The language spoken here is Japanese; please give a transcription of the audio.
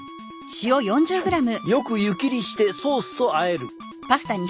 よく湯切りしてソースとあえる。